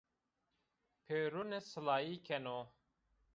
Pêrune silayî keno